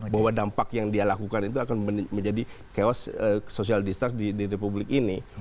bahwa dampak yang dia lakukan itu akan menjadi chaos social distart di republik ini